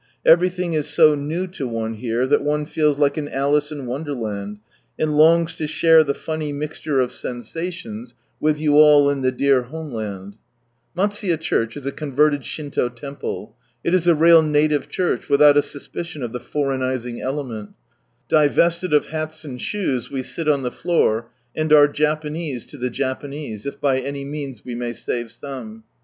Everjthing is so new to one here, that one feels like an " Alice in Wonderland," and longs to share the funny mixture of sensations, with you all in the dear homeland. Matsuye Church is a convened Shinto temple. It is a real native church, without a suspicion of the foreignising element Divested of hats and shoes, we sit on the floor, and are Japanese to the Japanese, if by any means we may save some.